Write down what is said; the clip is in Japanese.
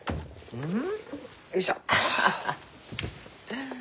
うん。